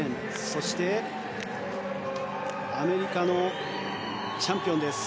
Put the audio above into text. そしてアメリカのチャンピオンです。